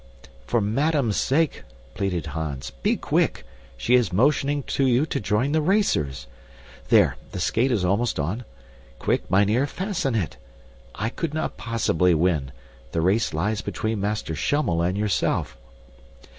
"For madame's sake," pleaded Hans, "be quick. She is motioning to you to join the racers. There, the skate is almost on. Quick, mynheer, fasten it. I could not possibly win. The race lies between Master Schummel and yourself."